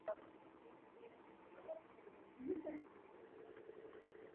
ڕۆژ تا ئێوارێ لەگەڵ سەگەلی ناو دێ هەڵدەسووڕا